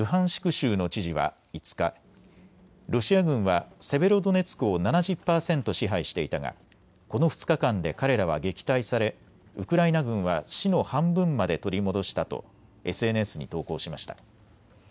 州の知事は５日、ロシア軍はセベロドネツクを７０％支配していたがこの２日間で彼らは撃退されウクライナ軍は市の半分まで取り戻したとＳＮＳに投稿しました。